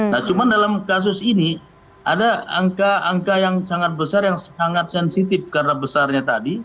nah cuman dalam kasus ini ada angka angka yang sangat besar yang sangat sensitif karena besarnya tadi